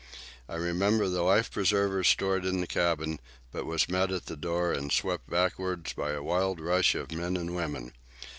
I remembered the life preservers stored in the cabin, but was met at the door and swept backward by a wild rush of men and women.